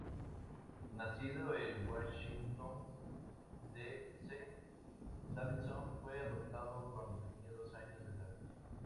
Nacido en Washington D. C., Davidson fue adoptado cuando tenía dos años de edad.